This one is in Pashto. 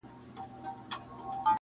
آسمانه ما ستا د ځوانۍ په تمه-